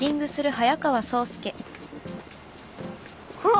あっ！